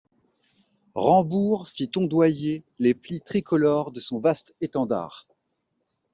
Rambourg fit ondoyer les plis tricolores de son vaste étendard.